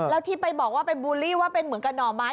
แล้วที่ไปบอกว่าไปบูลลี่ว่าเป็นเหมือนกับหน่อไม้